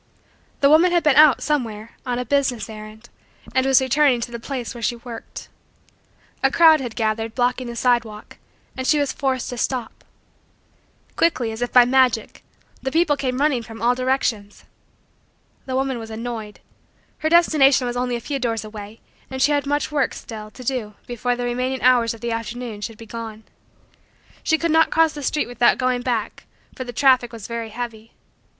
The woman had been out, somewhere, on a business errand and was returning to the place where she worked. A crowd had gathered, blocking the sidewalk, and she was forced to stop. Quickly, as if by magic, the people came running from all directions. The woman was annoyed. Her destination was only a few doors away and she had much work, still, to do before the remaining hours of the afternoon should be gone. She could not cross the street without going back for the traffic was very heavy.